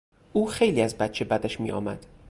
او خیلی از بچه بدش میآمد.